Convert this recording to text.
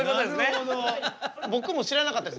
僕も知らなかったです。